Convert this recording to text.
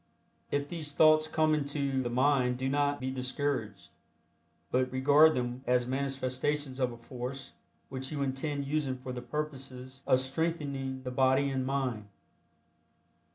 If these thoughts come into the mind do not be discouraged, but regard them as manifestations of a force which you intend using for the purposes of strengthening the body and mind.